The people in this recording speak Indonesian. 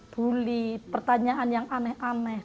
bully pertanyaan yang aneh aneh